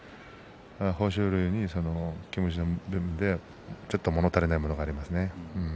豊昇龍にその気持ちの分でもの足りないものがありますね。